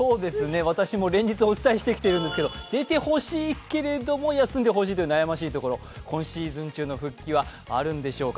連日お伝えしてきているんですけど出てほしいけど休んでほしいと悩ましいところ今シーズン中の復帰はあるんでしょうか。